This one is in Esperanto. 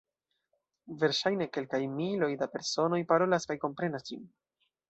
Verŝajne kelkaj miloj da personoj parolas kaj komprenas ĝin.